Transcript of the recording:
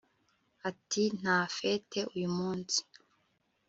Ati Nta fête uyu munsi